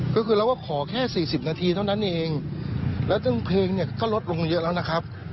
ก็คือเราก็ขอแค่๔๐นาทีเท่านั้นเองแล้วก็เพลงก็ลดลงเยอะแล้วนะครับ